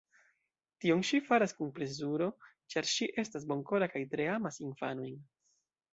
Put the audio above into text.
Tion ŝi faras kun plezuro, ĉar ŝi estas bonkora kaj tre amas infanojn.